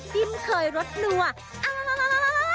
จิ้มเคยรสหนัวอ่า